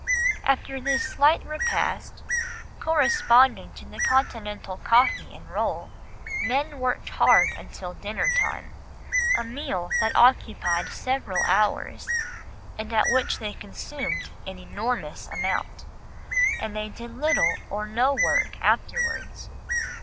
After this slight repast, corresponding to the Continental coffee and roll, men worked hard until dinner time, a meal that occupied several hours, and at which they consumed an enormous amount; and they did little or no work afterwards.